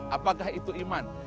apakah itu iman